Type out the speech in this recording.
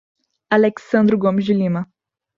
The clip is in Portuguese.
Alexsandro Gomes de Lima